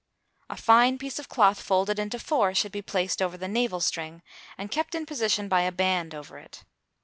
A fine piece of cloth folded into four should be placed over the navel string, and kept in position by a band over it.